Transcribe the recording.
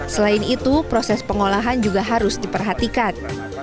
selain itu proses pengolahan juga harus diperhatikan